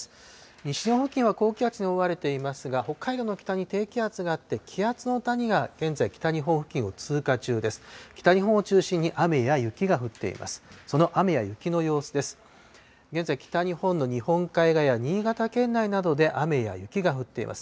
西日本付近は高気圧に覆われていますが、北海道の北に低気圧があって、気圧の谷が現在、北日本付近を通過中です。